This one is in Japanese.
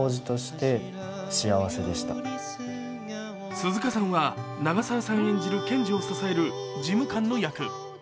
鈴鹿さんは長澤さん演じる検事を支える事務官の役。